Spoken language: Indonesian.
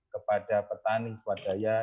kepada petani swadaya